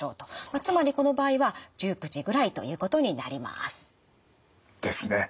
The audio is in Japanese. つまりこの場合は１９時ぐらいということになります。ですね。